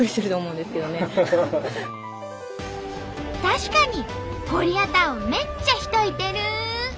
確かにコリアタウンめっちゃ人いてる！